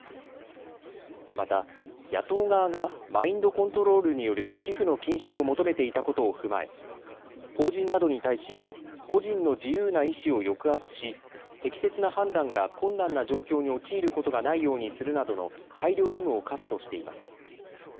また野党側がマインドコントロールによる寄付の禁止を求めていたことを踏まえ法人などに対し個人の自由な意思を抑圧し適切な判断が困難な状況に陥ることがないようにするなどの配慮義務を課すとしています。